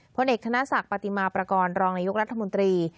พลเอกธนศักดิ์ปฏิมาประกอบรองนายกรัฐมนตรี